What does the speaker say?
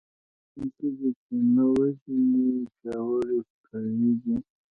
کوم څه دې چې نه وژنې پياوړي کوي دی .